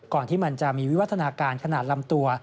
ที่มันจะมีวิวัฒนาการขนาดลำตัว